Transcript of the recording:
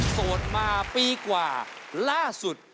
โสดมาปีกว่าล่าสุด